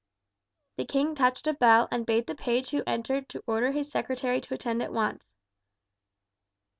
The king touched a bell and bade the page who entered to order his secretary to attend at once.